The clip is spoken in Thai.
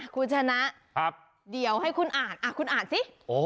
คุณชนะเดี๋ยวให้คุณอ่านคุณอ่านสิ